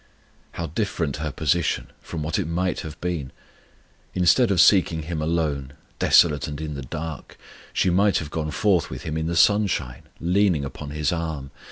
How different her position from what it might have been! Instead of seeking Him alone, desolate and in the dark, she might have gone forth with Him in the sunshine, leaning upon His arm.